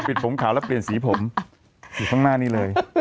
ผมขาวแล้วเปลี่ยนสีผมอยู่ข้างหน้านี้เลย